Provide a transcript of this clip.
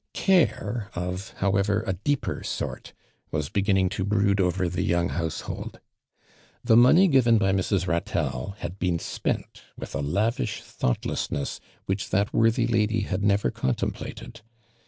Care of, however, a deeper sort was begin ning to brood over the yoimghouseh' 11 I. Tin money given by Mrs. liitello had bce.i spent with a lavish thoughtlessn<'ss which that worthy lady had never contemplated.